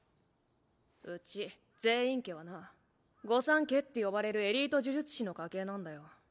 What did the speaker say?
うち禪院家はな御三家って呼ばれるエリート呪術師の家系なんだよ。